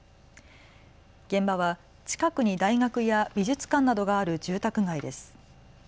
現場は近くに大学や美術館などがある住宅街です。